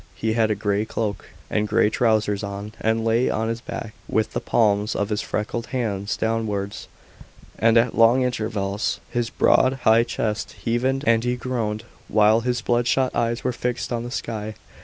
He had a grey cloak and grey trousers on, and lay on his back with the palms of his freckled hands downwards, and at long intervals his broad, high chest heaved, and he groaned, while his bloodshot eyes were fixed on the sky.